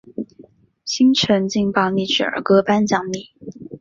新城劲爆励志儿歌颁奖礼。